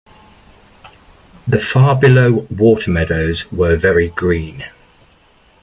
The far-below water-meadows were very green.